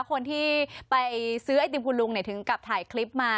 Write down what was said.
คนที่ไปซื้อไอติมคุณลุงถึงกับถ่ายคลิปมา